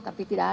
tapi tidak ada